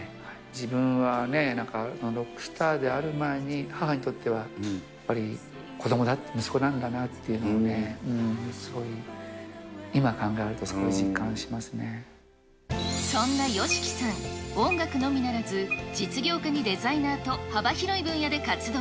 自分はロックスターである前に、母にとってはやっぱり子どもだ、息子なんだなというのを、すごい、そんなＹＯＳＨＩＫＩさん、音楽のみならず、実業家にデザイナーと、幅広い分野で活動。